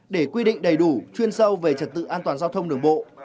để quy định đầy đủ chuyên sâu về trật tự an toàn giao thông đường bộ